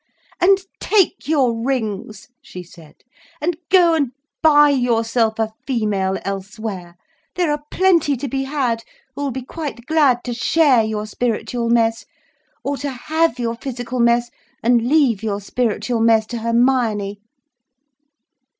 "And take your rings," she said, "and go and buy yourself a female elsewhere—there are plenty to be had, who will be quite glad to share your spiritual mess,—or to have your physical mess, and leave your spiritual mess to Hermione."